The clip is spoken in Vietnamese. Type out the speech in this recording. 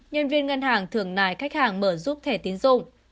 nhân viên ngân hàng thường nài khách hàng mở rút thẻ tiến dụng